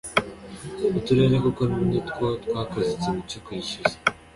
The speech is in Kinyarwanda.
uturere kuko nitwo twakoze ikintu cyo kwishyuza